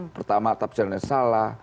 pertama tafsirannya salah